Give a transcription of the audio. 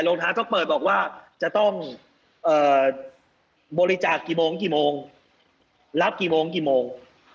โรงทานต้องเปิดบอกว่าจะต้องบริจาคกี่โมงกันกี่โมง